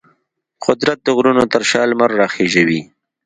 قدرت د غرونو تر شا لمر راخیژوي.